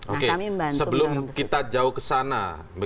oke sebelum kita jauh kesana